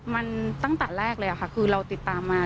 มันตั้งแต่แรกเลยค่ะคือเราติดตามมา